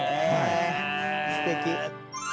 えすてき。